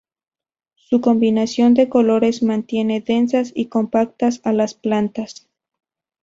Su combinación de colores mantiene densas y compactas a las plantas.